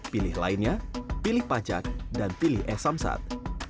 pilih lainnya pilih pajak dan pilih e samsat